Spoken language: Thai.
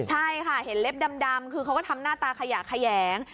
ใช่ค่ะเห็นเล็บดำคือเขาก็ทำหน้าตาขยะแขยง